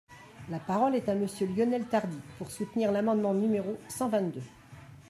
La parole est à Monsieur Lionel Tardy, pour soutenir l’amendement numéro cent vingt-deux.